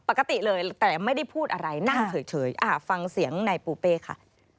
ปกติเลยแต่ไม่ได้พูดอะไรนั่งเฉยฟังเสียงนายปูเป้ค่ะ